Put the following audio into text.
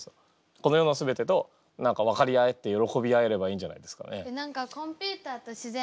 この世の全てと何か分かり合えてよろこび合えればいいんじゃないですかね。